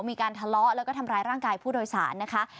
มีการทะเลาะแล้วก็ทำร้ายร่างกายผู้โดยสารนะคะ